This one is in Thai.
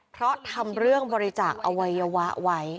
เพราะทำเรื่องบริจาคอวัยวะไว้